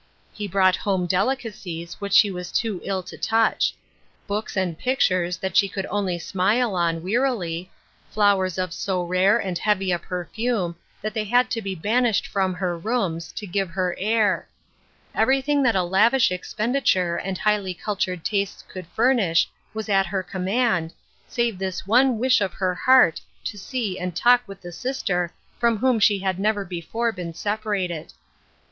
He brought home delicacies which she was too ill to touch ; books and pictures that she could only smile on, wearily, flowers of so rare and heavy a perfume that they had to be banished from her rooms, to give her air ; every thing that a lavish expenditure and highly cult ured tastes could furnish was at her command, save this one wish of her heart to see and talk with the sister from whom she had never before been separated.